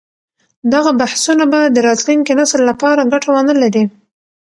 دغه بحثونه به د راتلونکي نسل لپاره ګټه ونه لري.